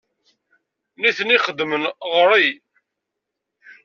Nitni xeddmen ɣer-i.